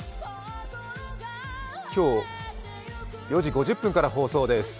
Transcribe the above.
今日、４時５０分から放送です。